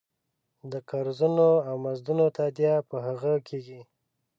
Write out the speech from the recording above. د قرضونو او مزدونو تادیه په هغې کېږي.